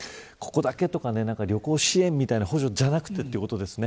ここだけとか旅行支援みたいな補助じゃなくてということですね。